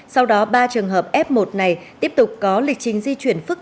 sau đó ba trường hợp f một này tiếp tục có lịch trình di chuyển phức tạp